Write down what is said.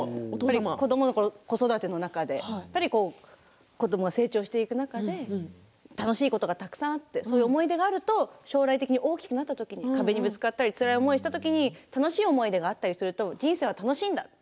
子育ての中で子どもが成長していく中で楽しいことが、たくさんあって思い出があると大きくなって壁にぶつかったりつらい思いをしたりした時に楽しい思い出があると人生は楽しいんだ。